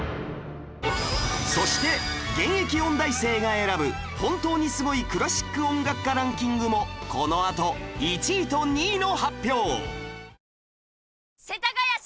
そして現役音大生が選ぶ本当にスゴいクラシック音楽家ランキングもこのあと１位と２位の発表！